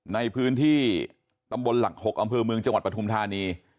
ในพื้นที่ตำบลหลัก๖อำเภอเมืองจังหวัดปฐุมธานี